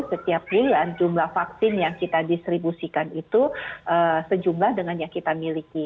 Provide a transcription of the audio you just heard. setiap bulan jumlah vaksin yang kita distribusikan itu sejumlah dengan yang kita miliki